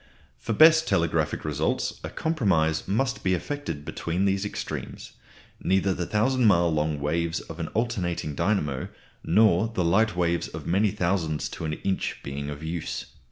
For best telegraphic results a compromise must be effected between these extremes, neither the thousand mile long waves of an alternating dynamo nor the light waves of many thousands to an inch being of use.